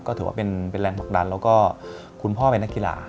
ก็ถือว่าเป็นแรงผลักดันแล้วก็คุณพ่อเป็นนักกีฬา